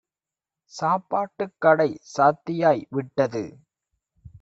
"சாப்பாட்டுக் கடை சாத்தியாய் விட்டது.